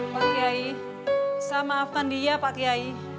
pak tiai saya maafkan dia pak tiai